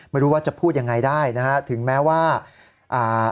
ไม่รู้ว่าจะพูดยังไงได้นะฮะถึงแม้ว่าอ่า